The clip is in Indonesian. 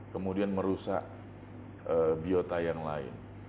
kemudian merusak biota yang lain